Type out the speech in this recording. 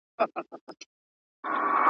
رغړېدم چي له کعبې تر سومناته .